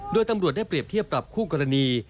โดยตำรวจได้เปรียบเทียบปรับคู่กรณี